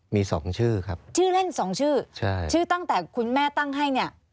มีสองชื่อครับชื่อเล่นสองชื่อใช่ชื่อตั้งแต่คุณแม่ตั้งให้เนี่ย